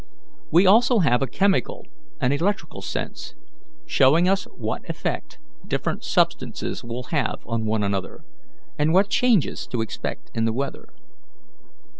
We also have a chemical and electrical sense, showing us what effect different substances will have on one another, and what changes to expect in the weather.